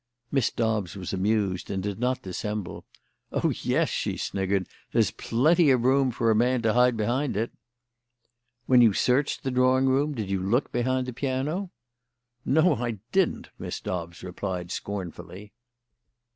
Miss Dobbs was amused and did not dissemble. "Oh, yes," she sniggered, "there's plenty of room for a man to hide behind it." "When you searched the drawing room, did you look behind the piano?" "No, I didn't!" Miss Dobbs replied scornfully.